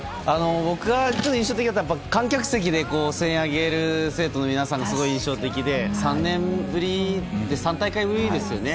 僕が印象的だったのは観客席で声援を挙げる生徒の皆さんがすごい印象的で３年ぶり、３大会ぶりですよね。